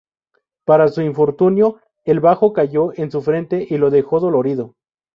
Para su infortunio, el bajo cayó en su frente y lo dejó dolorido.